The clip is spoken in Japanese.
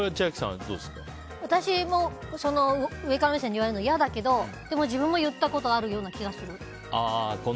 私も上から目線で言われるの、嫌だけどでも自分も言ったことあるような気がする。